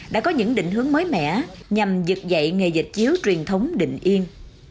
đã có những định hướng mới mẻ nhằm dịch dạy nghề dịch chiếu truyền thống định yên